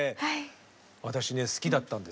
私ね好きだったんですよ。